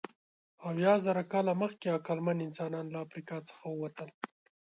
اویازره کاله مخکې عقلمن انسانان له افریقا څخه ووتل.